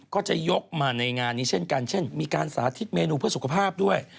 ก็จะยกมาในงานนี้เช่นกันเช่นมีการสาธิตเมนูเพื่อสุขภาพด้วย